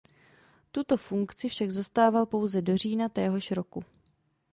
Tuto funkci však zastával pouze do října téhož roku.